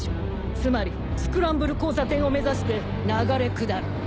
つまりスクランブル交差点を目指して流れ下る。